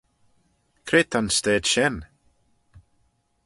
Cre ta'n stayd shen?